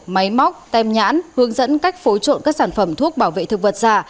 máy móc tem nhãn hướng dẫn cách phối trộn các sản phẩm thuốc bảo vệ thực vật giả